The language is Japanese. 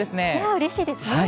うれしいですね。